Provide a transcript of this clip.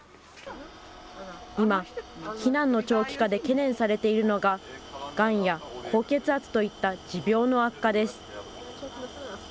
今、避難の長期化で懸念されているのが、がんや高血圧といった持病の悪化です。